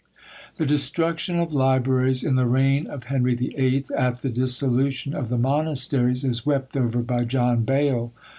The destruction of libraries in the reign of Henry VIII. at the dissolution of the monasteries, is wept over by John Bale.